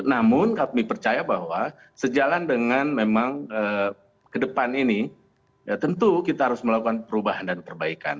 namun kami percaya bahwa sejalan dengan memang ke depan ini ya tentu kita harus melakukan perubahan dan perbaikan